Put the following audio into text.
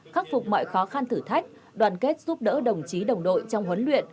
khắc phục mọi khó khăn thử thách đoàn kết giúp đỡ đồng chí đồng đội trong huấn luyện